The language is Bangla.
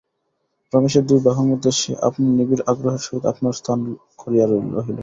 রমেশের দুই বাহুর মধ্যে সে আপনি নিবিড় আগ্রহের সহিত আপনার স্থান করিয়া লইল।